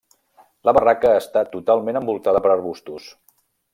La barraca està totalment envoltada per arbustos.